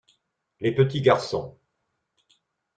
Les petits garçons.